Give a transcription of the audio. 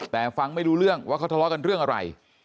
แต่ฟังไม่รู้เรื่องว่าเขาทะเลาะกันเรื่องอะไร